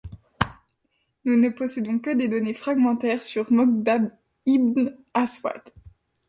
Nous ne possédons que des données fragmentaires sur Mokdad ibn Aswad.